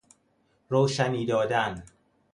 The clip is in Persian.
روشنی دادن